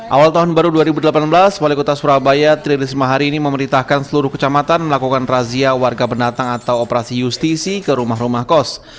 awal tahun baru dua ribu delapan belas wali kota surabaya tri risma hari ini memerintahkan seluruh kecamatan melakukan razia warga binatang atau operasi justisi ke rumah rumah kos